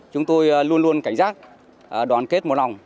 chúng tôi luôn luôn cảnh giác đoàn kết một lòng